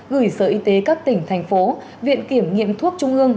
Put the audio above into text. gửi sở y tế các tỉnh thành phố viện kiểm nghiệm thuốc trung ương